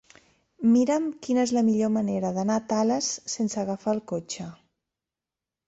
Mira'm quina és la millor manera d'anar a Tales sense agafar el cotxe.